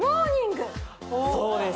そうです。